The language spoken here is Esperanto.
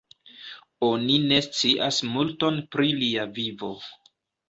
Oni ne scias multon pri lia vivo.